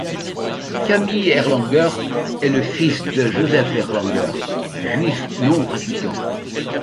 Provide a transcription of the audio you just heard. Camille Erlanger est le fils de Joseph Erlanger, juif non pratiquant.